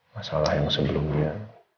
masalah yang sebelumnya